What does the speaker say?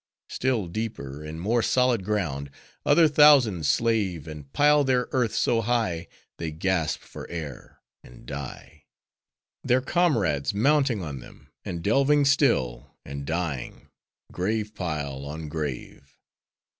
Still deeper, in more solid ground, other thousands slave; and pile their earth so high, they gasp for air, and die; their comrades mounting on them, and delving still, and dying—grave pile on grave!